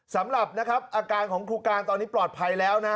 สำหรับนะครับอาการของครูการตอนนี้ปลอดภัยแล้วนะ